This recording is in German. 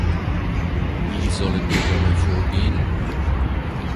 Wie sollen wir dabei vorgehen?